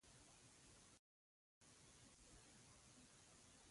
کچالو پخېدل اسانه دي